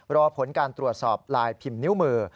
รอผลการตรวจสอบลายพิมพ์นิ้วมือ